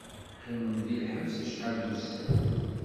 Qqimen di lḥebs acḥal n wussan.